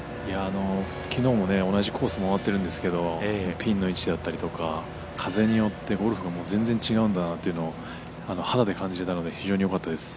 きのうも同じコース回ってるんですけどピンの位置だったりとか風によってゴルフがもう全然違うんだなというのを肌で感じれたのでよかったです。